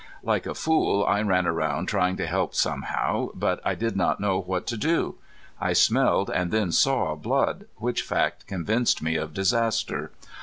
Like a fool I ran around trying to help somehow, but I did not know what to do. I smelled and then saw blood, which fact convinced me of disaster.